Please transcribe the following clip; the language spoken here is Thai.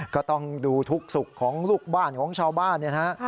ก็ต้องดูทุกสุขของลูกบ้านของชาวบ้านเนี่ยนะฮะ